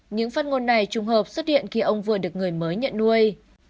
những phát ngôn này trùng hợp xuất hiện khi ông vừa được người mới nhận nuôi